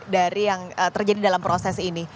dari yang terjadi dalam proses ini